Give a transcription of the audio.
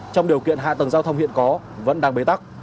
trong điều kiện hạ tầng giao thông hiện có vẫn đang bế tắc